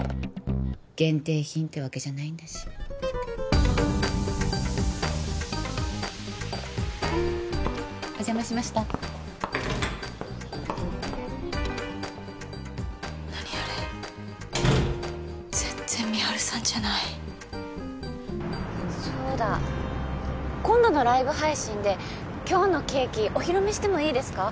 限定品ってわけじゃないんだしお邪魔しました何あれ全然美晴さんじゃないそうだ今度のライブ配信で今日のケーキお披露目してもいいですか？